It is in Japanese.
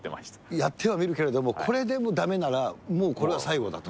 やってはみるけれども、これでもだめならもうこれは最後だと。